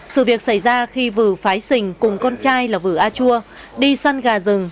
sự việc xảy ra khi vừa phái xình cùng con trai là vừa a chua đi săn gà rừng